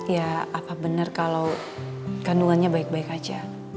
ya apa benar kalau kandungannya baik baik aja